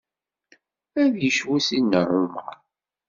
Ad yecbu Sidna Ɛumer.